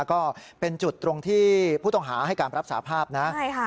ก็เป็นจุดตรงที่ผู้ต้องหาให้การรับสาภาพนะใช่ค่ะ